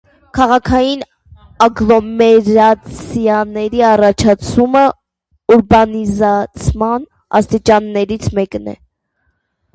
Քաղաքային ագլոմերացիաների առաջացումը ուրբանիզացման աստիճաններից մեկն է։